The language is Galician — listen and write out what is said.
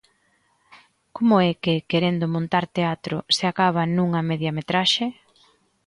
Como é que, querendo montar teatro, se acaba nunha mediametraxe?